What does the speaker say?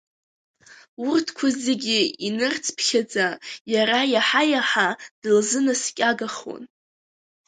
Урҭқәа зегьы инырцԥхьаӡа, иара иаҳа-иаҳа дылзынаскьагахон.